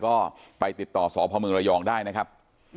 ก็ไปติดต่อสพมระยองได้นะครับ